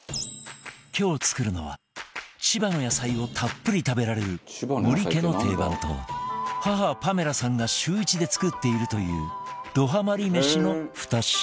今日作るのは千葉の野菜をたっぷり食べられる森家の定番と母パメラさんが週１で作っているというどハマり飯の２品